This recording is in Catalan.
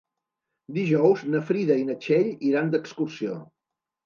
Dijous na Frida i na Txell iran d'excursió.